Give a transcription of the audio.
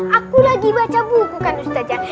aku lagi baca buku kan ustaz astaz